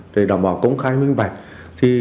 để đảm bảo công khai minh bạch